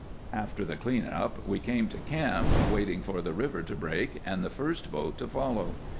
After the clean up we came to camp, waiting for the river to break and the first boat to follow.